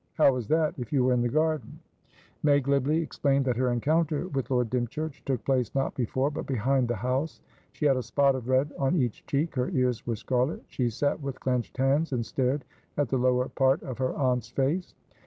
"How was that? If you were in the garden?" May glibly explained that her encounter with Lord Dymchurch took place not before, but behind, the house. She had a spot of red on each cheek; her ears were scarlet; she sat with clenched hands, and stared at the lower part of her aunt's face.